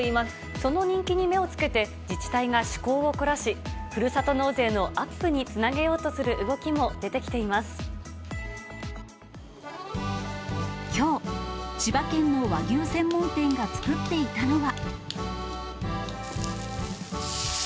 その人気に目をつけて、自治体が趣向を凝らし、ふるさと納税のアップにつなげようとするきょう、千葉県の和牛専門店が作っていたのは。